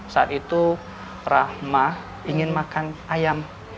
saat itu rahma ingin makan ayam